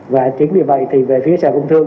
và chính vì vậy thì về phía sở công thương